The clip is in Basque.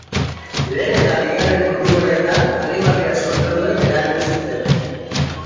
Lehen eta Bigarren Mundu Gerretan alemaniar soldaduek erabili zuten.